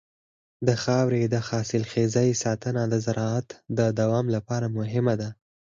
د خاورې د حاصلخېزۍ ساتنه د زراعت د دوام لپاره مهمه ده.